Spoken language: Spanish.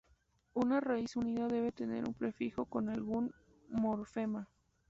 Una raíz unida debe tener un prefijo con algún morfema.